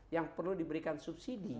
yang perlu diberikan subsidi